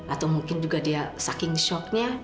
atau mungkin juga dia saking shock nya